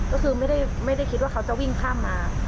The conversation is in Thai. ก็คือไม่ได้คิดว่าเขาจะวิ่งข้ามมา